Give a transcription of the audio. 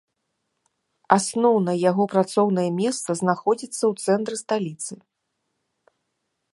Асноўнае яго працоўнае месца знаходзіцца ў цэнтры сталіцы.